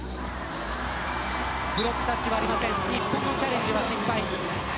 ブロックタッチはありません日本のチャレンジは失敗。